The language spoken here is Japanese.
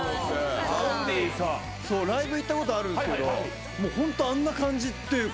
ライブ行ったことあるけどホントあんな感じというか。